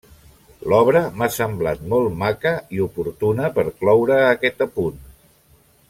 L'obra m'ha semblat molt maca i oportuna per cloure aquest apunt.